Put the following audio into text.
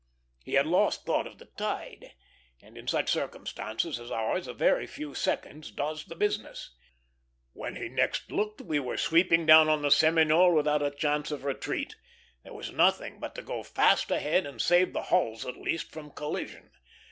He had lost thought of the tide, and in such circumstances as ours a very few seconds does the business. When he next looked, we were sweeping down on the Seminole without a chance of retreat; there was nothing but to go ahead fast, and save the hulls at least from collision.